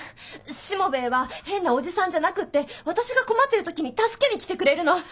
しもべえは変なおじさんじゃなくて私が困ってる時に助けに来てくれるの。